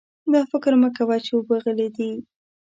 دا فکر مه کوه چې اوبه غلې دي.